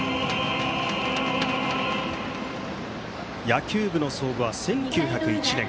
野球部の創部は１９０１年。